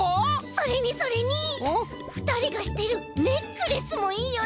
それにそれにふたりがしてるネックレスもいいよね。